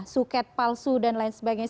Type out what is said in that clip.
suket palsu dan lain sebagainya